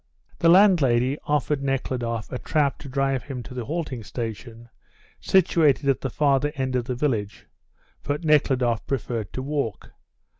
The landlady offered Nekhludoff a trap to drive him to the halting station, situated at the farther end of the village, but Nekhludoff preferred to walk.